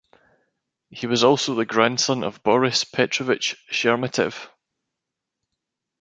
He was also the grandson of Boris Petrovich Sheremetev.